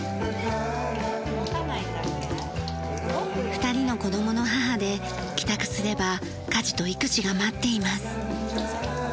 ２人の子供の母で帰宅すれば家事と育児が待っています。